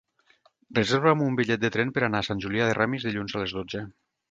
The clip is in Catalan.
Reserva'm un bitllet de tren per anar a Sant Julià de Ramis dilluns a les dotze.